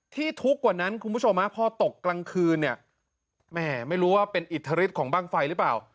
ทุกข์กว่านั้นคุณผู้ชมพอตกกลางคืนเนี่ยแม่ไม่รู้ว่าเป็นอิทธิฤทธิของบ้างไฟหรือเปล่า